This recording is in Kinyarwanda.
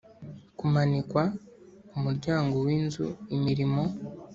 Kumanikwa ku muryango w inzu imirimo